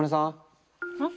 うん？